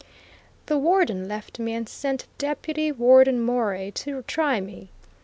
The Warden left me and sent Deputy Warden Morey to try me.